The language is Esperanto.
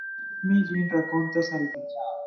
Mi ĝin rakontos al vi.